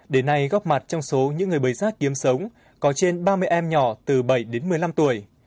đến nay góc mặt trong số những người bày sát kiếm sống có trên ba mươi em nhỏ từ bảy đến một mươi năm tuổi